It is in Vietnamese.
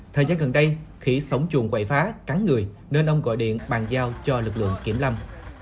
thời gian gần đây khỉ sống chuồng quậy phá cắn người nên ông gọi điện bàn giao cho lực lượng kiểm lâm